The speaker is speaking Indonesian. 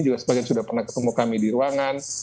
juga sebagian sudah pernah ketemu kami di ruangan